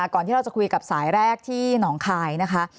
ก่อนที่จะคุยกับสายแรกที่หนองคาย